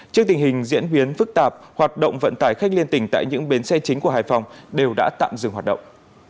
trước tình hình diễn biến phức tạp hoạt động vận tải khách liên tỉnh tại những bến xe chính của hải phòng đều đã tạm dừng hoạt động